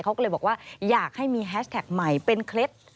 เขาก็เลยบอกว่าอยากให้มีแฮชแท็กใหม่เป็นเคล็ด